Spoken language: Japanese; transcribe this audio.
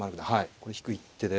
これ引く一手で。